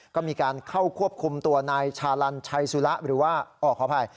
ก็มีการเข้าควบคุมตัวนายชาลันชัยสุระหรือว่าขออภัย